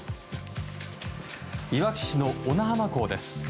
いわき市の小名浜港です。